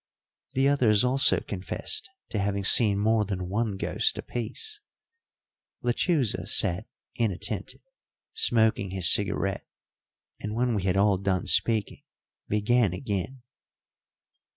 The others also confessed to having seen more than one ghost apiece. Lechuza sat inattentive, smoking his cigarette, and when we had all done speaking began again.